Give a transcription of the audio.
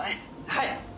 はい！